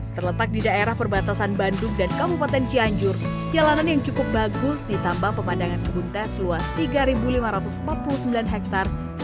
terletak di daerah perbatasan bandung dan kabupaten cianjur jalanan yang cukup bagus ditambah pemandangan kebun teh seluas tiga lima ratus empat puluh sembilan hektare